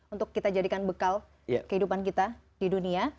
untuk kita jadikan bekal kehidupan kita di dunia